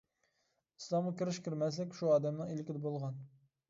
ئىسلامغا كىرىش كىرمەسلىك شۇ ئادەمنىڭ ئىلكىدە بولغان.